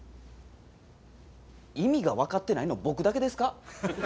意味が分かってないの僕だけですか？